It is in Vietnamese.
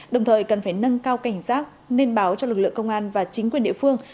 đồng thời cần phải nâng cao cảnh giác nên báo cho lực lượng công an và chính quyền địa phương